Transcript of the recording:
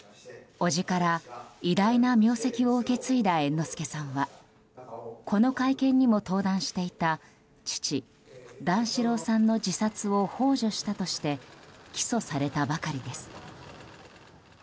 伯父から偉大な名跡を受け継いだ猿之助さんはこの会見にも登壇していた父・段四郎さんの自殺を幇助したとして起訴されたばかりです。